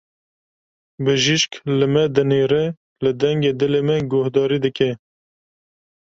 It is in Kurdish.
Bijîşk li me dinêre, li dengê dilê me guhdarî dike.